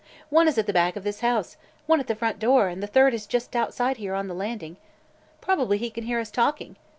One is at the back of this house, one at the front door and the third is just outside here on the landing. Probably he can hear us talking.